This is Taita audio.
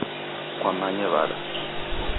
Kwamanye w'ada?